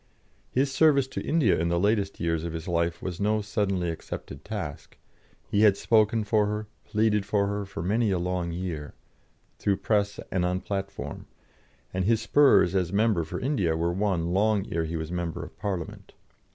His service to India in the latest years of his life was no suddenly accepted task. He had spoken for her, pleaded for her, for many a long year, through press and on platform, and his spurs as member for India were won long ere he was member of Parliament.